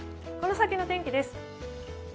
この先の天気です。